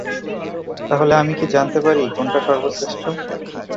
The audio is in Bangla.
তাহলে, আমি কি জানতে পারি, কোনটা সর্বশ্রেষ্ঠ?